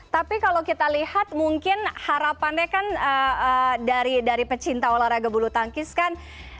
tapi kalau kita lihat mungkin harapannya kan dari pecinta olahraga bulu tangkis kan